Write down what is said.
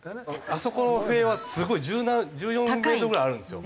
あそこの塀はすごい１４メートルぐらいあるんですよ。